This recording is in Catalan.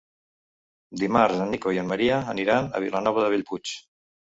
Dimarts en Nico i en Maria aniran a Vilanova de Bellpuig.